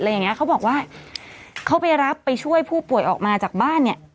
อย่างเงี้เขาบอกว่าเขาไปรับไปช่วยผู้ป่วยออกมาจากบ้านเนี่ย